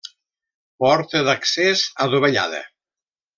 Porta d'accés adovellada.